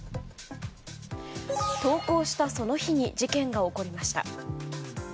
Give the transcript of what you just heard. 投稿したその日に事件が起こりました。